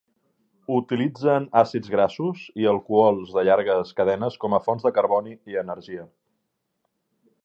Utilitzen àcids grassos i alcohols de llargues cadenes com a fonts de carboni i energia.